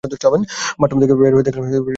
Bathroom থেকে বের হয়েই দেখলেন টেবিলে চায়ের আয়োজন।